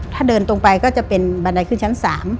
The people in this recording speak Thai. ถ้าเดินตรงไปก็จะเป็นบันไดขึ้นชั้น๓